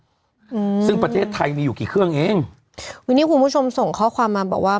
อืมซึ่งประเทศไทยมีอยู่กี่เครื่องเองวันนี้คุณผู้ชมส่งข้อความมาบอกว่า